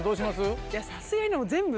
さすがにでも全部。